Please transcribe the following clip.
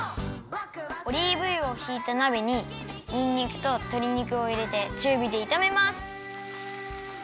オリーブ油をひいたなべににんにくととり肉をいれてちゅうびでいためます。